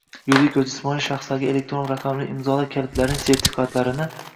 yuridik va jismoniy shaxslarga elektron raqamli imzolar kalitlarining sertifikatlarini